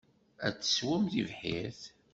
Ad tesswem tibḥirt.